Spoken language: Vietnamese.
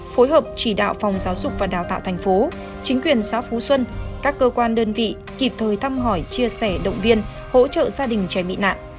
phối hợp chỉ đạo phòng giáo dục và đào tạo thành phố chính quyền xã phú xuân các cơ quan đơn vị kịp thời thăm hỏi chia sẻ động viên hỗ trợ gia đình trẻ bị nạn